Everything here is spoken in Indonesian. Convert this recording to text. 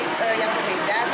saya ingin inovasi saja